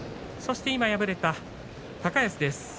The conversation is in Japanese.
そして今、敗れた高安です。